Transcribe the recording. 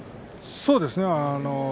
そうですね。